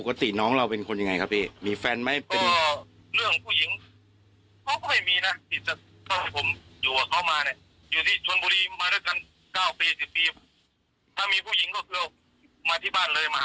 จริงมันก็น่าจะเอาตำรวจมาจับนะใช่ไหม